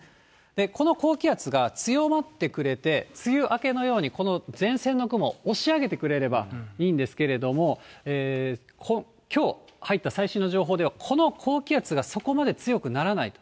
この高気圧が強まってくれて、梅雨明けのように、この前線の雲、押し上げてくれればいいんですけれども、きょう入った最新の情報では、この高気圧がそこまで強くならないと。